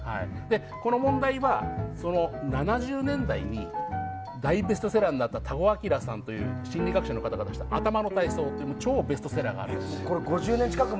この問題は、７０年代に大ベストセラーになった多湖輝さんという心理学者の方が出した「頭の体操」という５０年前の超ベストセラーがあるんです。